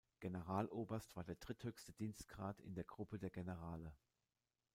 Generaloberst war der dritthöchste Dienstgrad in der Gruppe der Generale.